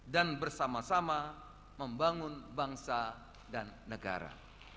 dan bersama sama membangun bangsa dan negara